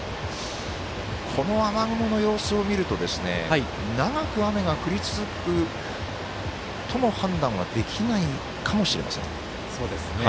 この雨雲の様子を見ると長く雨が降り続くとも判断はできないかもしれません。